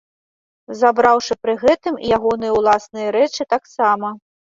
Забраўшы пры гэтым і ягоныя ўласныя рэчы таксама.